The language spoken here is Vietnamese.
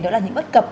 đó là những bất cập